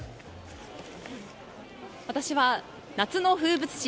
私は夏の風物詩